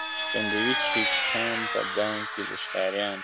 بندوي چي قام په دام کي د ښکاریانو !.